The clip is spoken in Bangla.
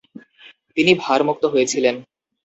তিনি ভার মুক্ত হয়েছিলেন।